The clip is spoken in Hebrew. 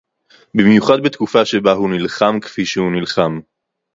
במיוחד בתקופה שבה הוא נלחם כפי שהוא נלחם